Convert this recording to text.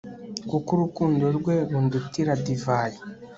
kuko urukundo rwe rundutira divayi